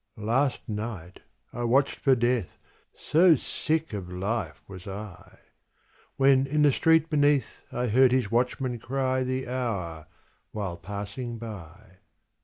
Last night I watched for Death So sick of life was I! When in the street beneath I heard his watchman cry The hour, while passing by.